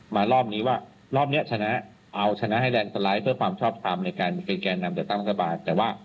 มารอบนี้ว่ารอบนี้ชนะ